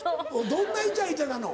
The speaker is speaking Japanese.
どんなイチャイチャなの？